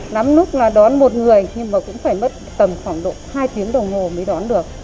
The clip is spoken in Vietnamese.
lắm lúc là đón một người nhưng mà cũng phải mất tầm khoảng độ hai tiếng đồng hồ mới đón được